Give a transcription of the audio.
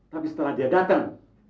tapi setelah dia datang